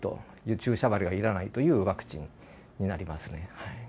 注射針がいらないというワクチンになりますね。